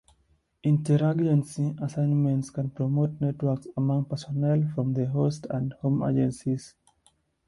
Interagency assignments can promote networks among personnel from the host and home agencies.